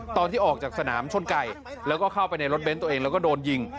ตอนที่ออกจากสนามชนไก่แล้วก็เข้าไปในรถเน้นตัวเองแล้วก็โดนยิง